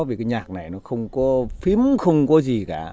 vì cái nhạc này nó không có phím không có gì cả